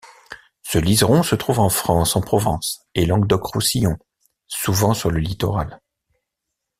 Ce liseron se trouve en France en Provence et Languedoc-Roussillon, souvent sur le littoral.